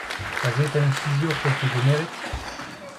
Kazetenn hiziv 'c'h eus degemeret ?